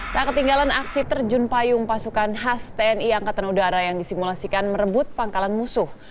tak ketinggalan aksi terjun payung pasukan khas tni angkatan udara yang disimulasikan merebut pangkalan musuh